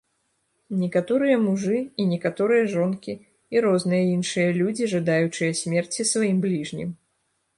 Некаторыя мужы і некаторыя жонкі і розныя іншыя людзі, жадаючыя смерці сваім бліжнім.